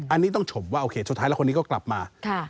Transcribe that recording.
อันนี้ต้องชมว่าโอเคสุดท้ายแล้วคนนี้ก็กลับมา